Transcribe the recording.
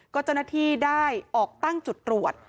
ก็เจ้าหน้าที่ได้ออกตั้งจุดตรวจ